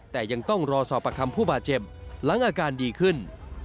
แต่ยังต้องรอสอบประคำผู้บาดเจ็บหลังอาการดีขึ้น